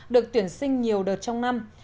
được tuyển sinh nhiều đợt trong năm